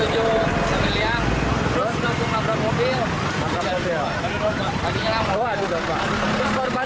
yang bawa motor ini bukan